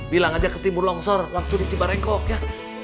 bilang aja ketimbul longsor waktu dicibar engkog ya